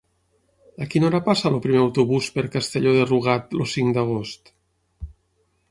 A quina hora passa el primer autobús per Castelló de Rugat el cinc d'agost?